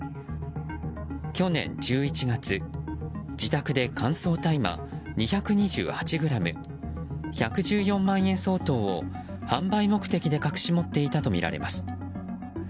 去年１１月、自宅で乾燥大麻２２８ｇ、１１４万円相当を販売目的で隠し持っていたとみられます。